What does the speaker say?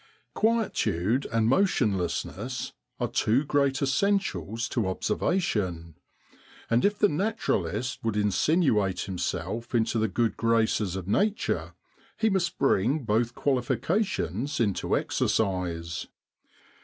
Quietude and motionlessness are two great essentials to observation ; and if the naturalist would insinuate himself into the good graces of Nature he must bring both qualifications into exercise.